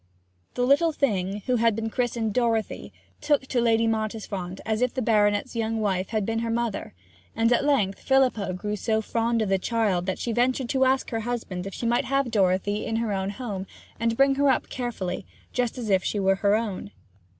The little thing, who had been christened Dorothy, took to Lady Mottisfont as if the baronet's young wife had been her mother; and at length Philippa grew so fond of the child that she ventured to ask her husband if she might have Dorothy in her own home, and bring her up carefully, just as if she were her own.